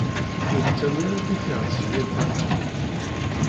Ur d-ttawi ara tifyar si yal tama.